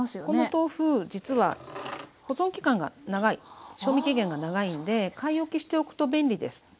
この豆腐実は保存期間が長い賞味期限が長いので買い置きしておくと便利です。